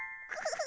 フフ！